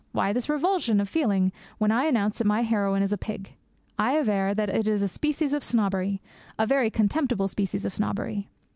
Why this revulsion of feeling when I announce that my heroine is a pig? I aver that it is a species of snobbery a very contemptible species of snobbery.